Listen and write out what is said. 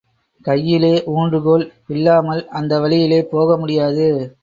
கையிலே ஊன்றுகோல் இல்லாமல் அந்த வழியிலே போக முடியாது.